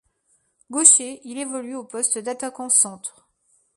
Gaucher, il évolue au poste d'attaquant centre.